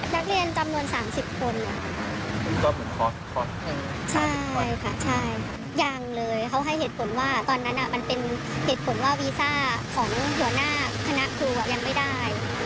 นักเรียนจำนวน๓๐คนตอนนั้นมันเป็นเหตุผลว่าวีซ่าของหัวหน้าคณะครูยังไม่ได้